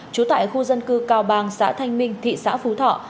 trú tại khu dân cư cao bang xã thanh minh thị xã phú thọ